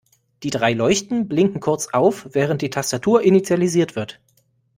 Die drei Leuchten blinken kurz auf, während die Tastatur initialisiert wird.